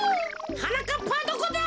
はなかっぱはどこだ！